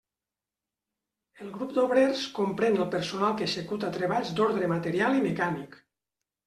El grup d'Obrers comprèn el personal que executa treballs d'ordre material i mecànic.